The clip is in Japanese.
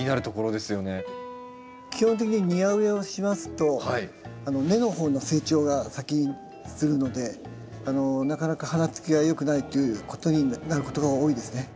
基本的に庭植えをしますと根の方の成長が先にするのでなかなか花つきが良くないということになることが多いですね。